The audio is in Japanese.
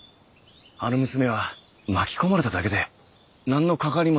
あの娘は巻き込まれただけで何の関わりもないんです。